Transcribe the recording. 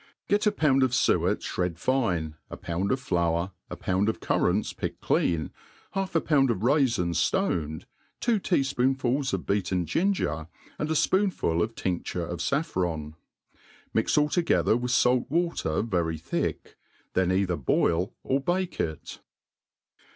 GET a pound of fuet ihred fine, a po4ind of flour, a pound of currants picked clean, half a pound of raifins ftoned, two tea fpoonfuis of beaten ginger, and a fpoonfol of tin^lure of faffron ; mix all together with fait water very tbi^k j th^ either boil or bake it.